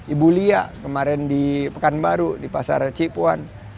ibu lia kemarin di pekanbaru di pasar cipuan